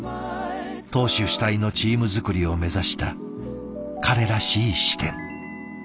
投手主体のチーム作りを目指した彼らしい視点。